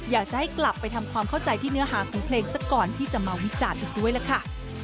อยากจะให้กลับไปทำความเข้าใจที่เนื้อหาของเพลงสักก่อนที่จะมาวิจารณ์อีกด้วยล่ะค่ะ